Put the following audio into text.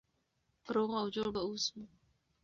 روغ او جوړ به اوسو.